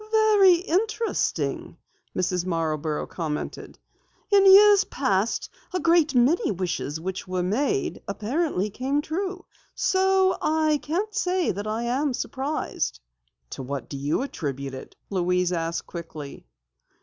"Very interesting," Mrs. Marborough commented. "In years past, a great many wishes which were made here, apparently came true. So I can't say that I am surprised." "To what do you attribute it?" Louise asked quickly.